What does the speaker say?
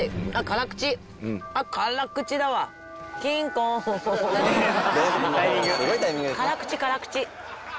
辛口辛口。